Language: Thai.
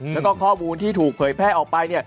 แล้วก็ข้อมูลที่ถูกเผยแพร่ออกไป